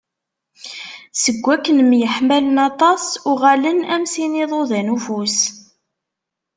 Seg wakken myeḥmalen aṭas, uγalen am sin n yiḍudan n ufus.